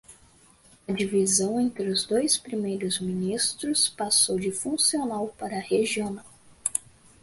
The division between the two prime ministers went from "functional" to "regional".